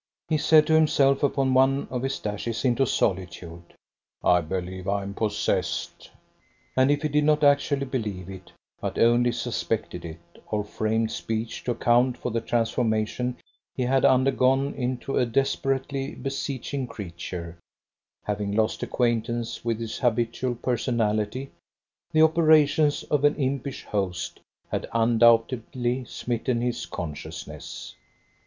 He said to himself, upon one of his dashes into solitude: I believe I am possessed! And if he did not actually believe it, but only suspected it, or framed speech to account for the transformation he had undergone into a desperately beseeching creature, having lost acquaintance with his habitual personality, the operations of an impish host had undoubtedly smitten his consciousness.